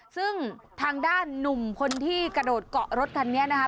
ซึ่งทางด้านหนุ่มคนที่กระโดดเกาะรถคันนี้นะคะ